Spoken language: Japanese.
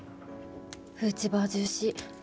フーチバージューシー。